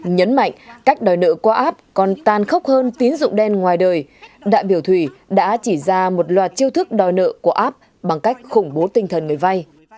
nhấn mạnh cách đòi nợ qua app còn tan khốc hơn tín dụng đen ngoài đời đại biểu thủy đã chỉ ra một loạt chiêu thức đòi nợ của app bằng cách khủng bố tinh thần người vay